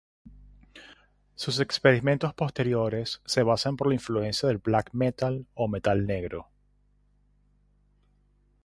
Sus experimentos posteriores se basan por la influencia del black metal o metal negro.